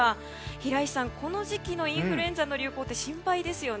平石さん、この時期のインフルエンザの流行は心配ですよね。